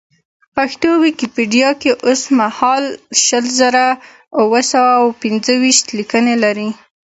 پښتو ویکیپېډیا کې اوسمهال شل زره اوه سوه او پېنځه ویشت لیکنې لري.